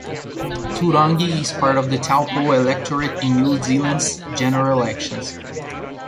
Turangi is part of the Taupo electorate in New Zealand's general elections.